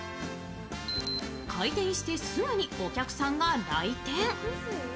開店してすぐにお客さんが来店。